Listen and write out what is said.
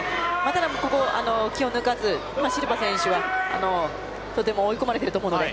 ただ、ここで気を抜かずシルバ選手はとても追い込まれていると思うので。